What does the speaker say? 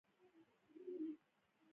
پټو او فقيرو کورنيو ته يې مرستې ورلېږلې.